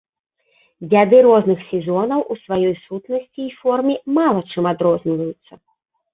Дзяды розных сезонаў у сваёй сутнасці і форме мала чым адрозніваюцца.